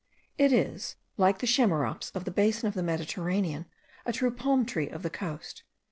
It is, like the chamaerops of the basin of the Mediterranean, a true palm tree of the coast.